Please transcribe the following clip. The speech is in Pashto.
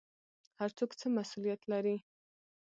هر څوک څه مسوولیت لري؟